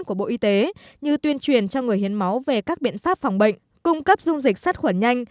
của bộ y tế như tuyên truyền cho người hiến máu về các biện pháp phòng bệnh cung cấp dung dịch sát khuẩn nhanh